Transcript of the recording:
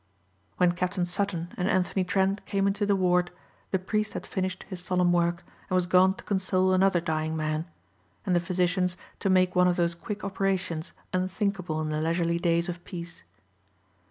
When Captain Sutton and Anthony Trent came into the ward the priest had finished his solemn work and was gone to console another dying man and the physicians to make one of those quick operations unthinkable in the leisurely days of peace.